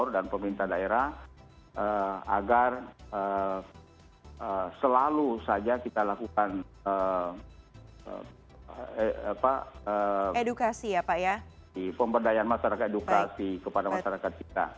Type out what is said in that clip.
dan pemerintah daerah agar selalu saja kita lakukan pemberdayaan masyarakat edukasi kepada masyarakat kita